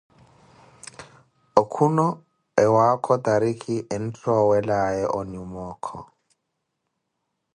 Okhuno ewaakho tarikhi entthowelawe onyuma okho.